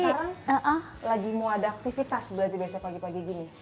sekarang lagi mau ada aktivitas berarti biasanya pagi pagi gini